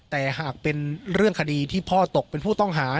แต่หากเป็นเรื่องคดีที่พ่อตกเป็นผู้ต้องหา